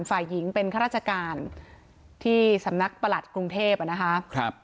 ฝ่ายหญิงเป็นข้าราชการที่สำนักประหลัดกรุงเทพอ่ะนะคะ